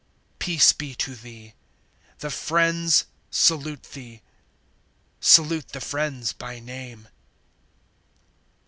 Peace be to thee. The friends salute thee. Salute the friends, by name.